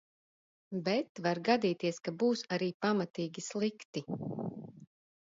Bet var gadīties, ka būs arī pamatīgi slikti.